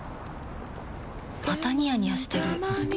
またニヤニヤしてるふふ。